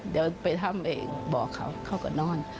เดี๋ยวไปทำเองบอกเขาเขาก็นอน